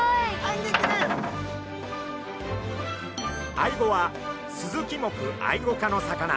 アイゴはスズキ目アイゴ科の魚。